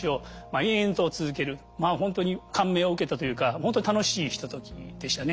まあほんとに感銘を受けたというかほんとに楽しいひとときでしたね。